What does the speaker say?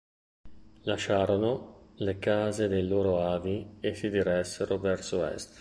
Lasciarono le case dei loro avi e si diressero verso est.